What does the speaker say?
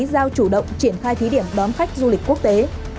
giao chủ động triển khai thí điểm đón khách du lịch quốc tế